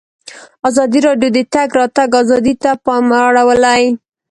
ازادي راډیو د د تګ راتګ ازادي ته پام اړولی.